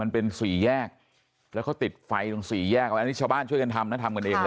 เป็น๔แยกแล้วชาวบ้านช่วยกันทำ